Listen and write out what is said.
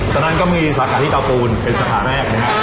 ตอนนั้นก็มีสาขาที่เตาปูนเป็นสาขาแรกนะครับ